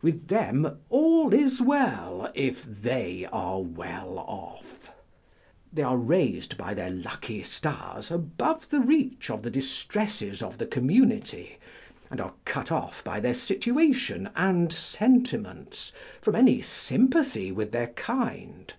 With them all is well, if they are well off. They are raised by their lucky stars above the reach of the distresses of the community, and are cut off by their situation and sentiments from any sympathy with their kind.